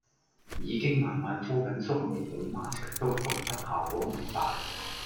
已經晚晚敷緊縮毛孔 mask 都覺得效果唔大